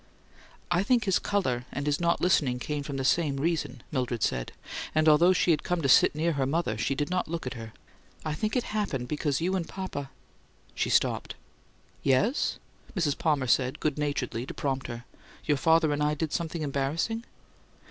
"I think his colour and his not listening came from the same reason," Mildred said, and although she had come to sit near her mother, she did not look at her. "I think it happened because you and papa " She stopped. "Yes?" Mrs. Palmer said, good naturedly, to prompt her. "Your father and I did something embarrassing?"